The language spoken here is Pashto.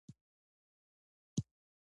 د تفکر ارزښت د علم دروازه پرانیزي.